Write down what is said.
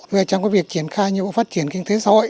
về trong việc triển khai những bộ phát triển kinh tế xã hội